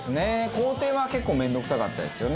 工程は結構面倒くさかったですよね。